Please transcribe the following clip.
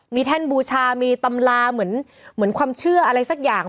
มีแท่นบูชามีตำราเหมือนความเชื่ออะไรสักอย่าง